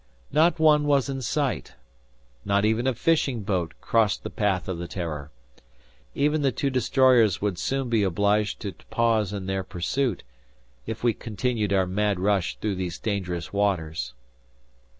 Not one was in sight. Not even a fishing boat crossed the path of the "Terror." Even the two destroyers would soon be obliged to pause in their pursuit, if we continued our mad rush through these dangerous waters.